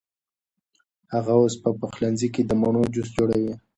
هغه اوس په پخلنځي کې د مڼو جوس جوړوي.